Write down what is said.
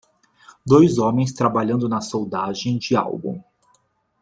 Dois homens trabalhando na soldagem de algo.